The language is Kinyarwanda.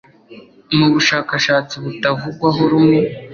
mu bushakashatsi butavugwaho rumwe